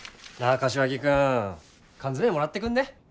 柏木君缶詰もらってくんね？